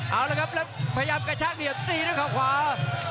เอาละครับแล้วพยายามกระชากเดือดตีด้วยเขาขวา